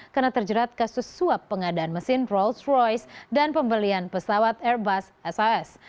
karena terjerat kasus suap pengadaan mesin rolls royce dan pembelian pesawat airbus sas